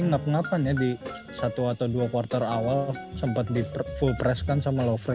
ngap ngapan ya di satu atau dua quarter awal sempet di full press kan sama lovre